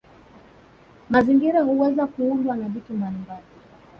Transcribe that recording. Mazingira huweza kuundwa na vitu mbalimbali